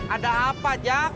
ada apa jak